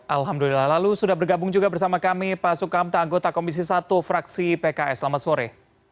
alhamdulillah lalu sudah bergabung juga bersama kami pak sukamta anggota komisi satu fraksi pks selamat sore